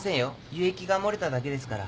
輸液が漏れただけですから。